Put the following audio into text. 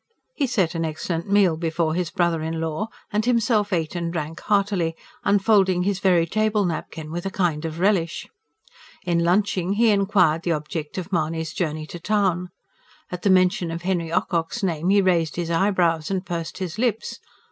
He set an excellent meal before his brother in law, and himself ate and drank heartily, unfolding his very table napkin with a kind of relish. In lunching, he inquired the object of Mahony's journey to town. At the mention of Henry Ocock's name he raised his eyebrows and pursed his lips.